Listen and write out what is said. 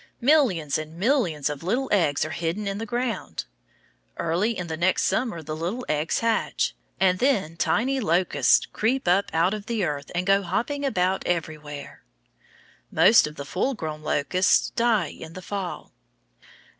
Millions and millions of little eggs are hidden in the ground. Early in the next summer the little eggs hatch, and then tiny locusts creep up out of the earth and go hopping about everywhere. Most of the full grown locusts die in the fall.